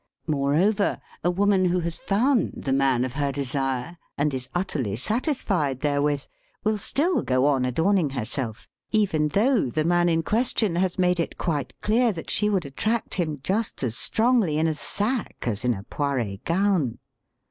Moreover, a woman who has found the man of her desire, and is utterly 88 SELF AND SELF MANAGEMENT gatisfied therewith, will atill go on adorning hei^ self, even though the man in question has made it quite clear that she would attract him just as strongly in a sack as in a Poiret gown.